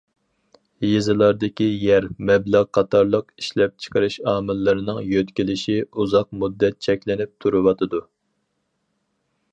يېزىلاردىكى يەر، مەبلەغ قاتارلىق ئىشلەپچىقىرىش ئامىللىرىنىڭ يۆتكىلىشى ئۇزاق مۇددەت چەكلىنىپ تۇرۇۋاتىدۇ.